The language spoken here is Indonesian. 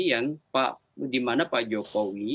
yang dimana pak jokowi